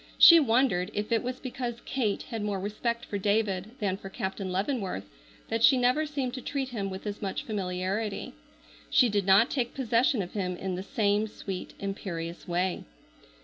She wondered if it was because Kate had more respect for David than for Captain Leavenworth that she never seemed to treat him with as much familiarity. She did not take possession of him in the same sweet imperious way.